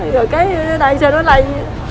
rồi cái đây sao nó lây